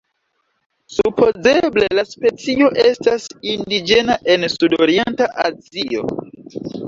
Supozeble la specio estas indiĝena en sud-orienta Azio.